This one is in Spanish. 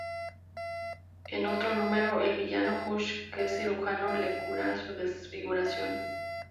En otro número, el villano Hush, que es cirujano, le cura su desfiguración.